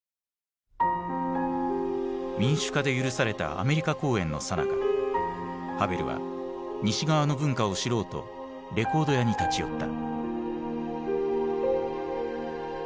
民主化で許されたアメリカ公演のさなかハヴェルは西側の文化を知ろうとレコード屋に立ち寄った。